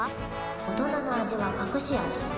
大人の味はかくし味。